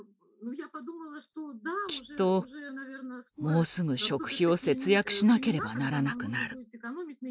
「きっともうすぐ食費を節約しなければならなくなる。